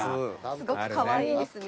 すごくかわいいですね。